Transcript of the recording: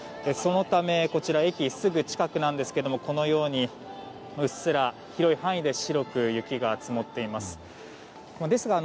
そのため、こちら駅すぐ近くなんですがこのようにうっすら広い範囲で白く雪が積もっています。